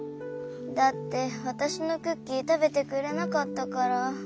だってわたしのクッキーたべてくれなかったから。